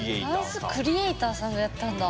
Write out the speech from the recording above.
ダンスクリエイターさんがやったんだ。